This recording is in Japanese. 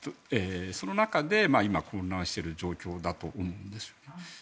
その中で今、混乱している状況だと思うんですよね。